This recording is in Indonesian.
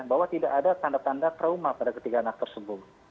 bahwa tidak ada tanda tanda trauma pada ketiga anak tersebut